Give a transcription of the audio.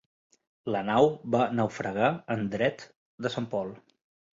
La nau va naufragar en dret de Sant Pol.